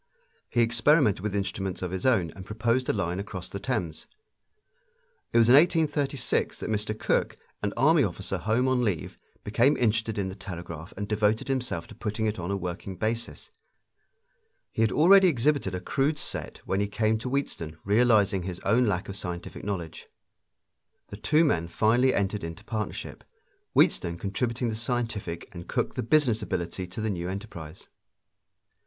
He experimented with instruments of his own and proposed a line across the Thames. It was in 1836 that Mr. Cooke, an army officer home on leave, became interested in the telegraph and devoted himself to putting it on a working basis. He had already exhibited a crude set when he came to Wheatstone, realizing his own lack of scientific knowledge. The two men finally entered into partnership, Wheatstone contributing the scientific and Cooke the business ability to the new enterprise.